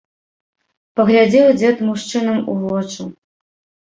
Паглядзеў дзед мужчынам у вочы.